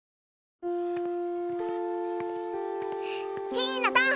ひなた！